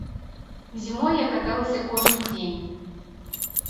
Зімой я каталася кожны дзень.